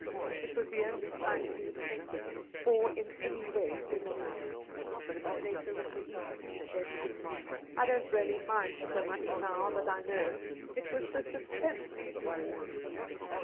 It was the only time he had fainted or in any way given in. Later in the evening he said :' I don't really mind so much now that I know. It was the suspense that worried me.'